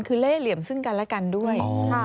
คือเล่เหลี่ยมซึ่งกันและกันด้วย